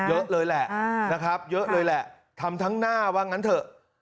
เยอะเลยแหละนะครับเยอะเลยแหละทำทั้งหน้าว่างั้นเถอะ